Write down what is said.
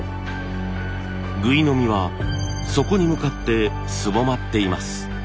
ぐいのみは底に向かってすぼまっています。